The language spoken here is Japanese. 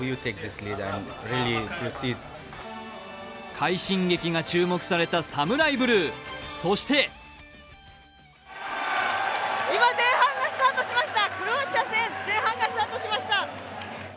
快進撃が注目されたサムライブルー、そして今、前半がスタートしましたクロアチア戦、今前半がスタートしました。